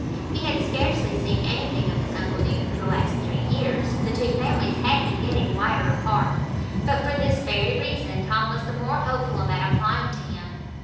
He had scarcely seen anything of his uncle Deane for the last three years—the two families had been getting wider apart; but for this very reason Tom was the more hopeful about applying to him.